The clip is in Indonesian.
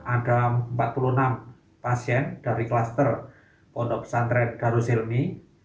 ada empat puluh enam pasien dari kluster pondok pesantren darussilmi